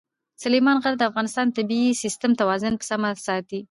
سلیمان غر د افغانستان د طبعي سیسټم توازن په سمه ساتي.